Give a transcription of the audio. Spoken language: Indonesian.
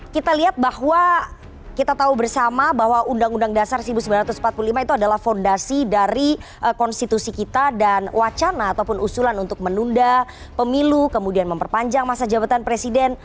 kita lihat bahwa kita tahu bersama bahwa undang undang dasar seribu sembilan ratus empat puluh lima itu adalah fondasi dari konstitusi kita dan wacana ataupun usulan untuk menunda pemilu kemudian memperpanjang masa jabatan presiden